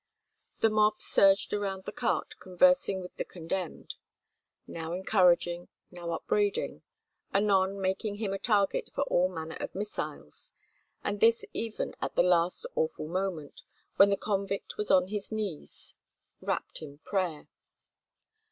The mob surged around the cart conversing with the condemned: now encouraging, now upbraiding, anon making him a target for all manner of missiles, and this even at the last awful moment, when the convict was on his knees wrapped in prayer.